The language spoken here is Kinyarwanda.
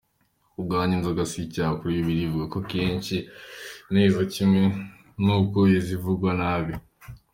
Kubwanjye inzoga si icyaha, kuko Biblia izivuga kenshi neza kimwe n'uko izivuga nabi.